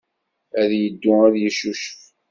Ad yeddu ad yeccucef.